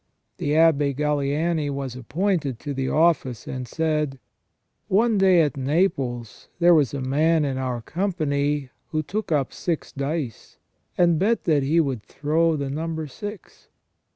The Abb^ Galiani was appointed to the office, and he said :" One day at Naples there was a man in our company who took up six dice, and bet that he would throw the number six.